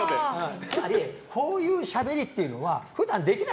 こういうしゃべりというのは普段できない。